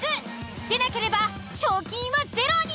出なければ賞金はゼロに。